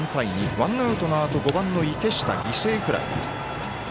ワンアウトのあと５番の池下犠牲フライ。